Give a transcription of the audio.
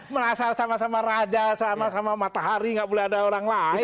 merasa sama sama raja sama sama matahari nggak boleh ada orang lain